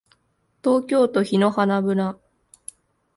東京都檜原村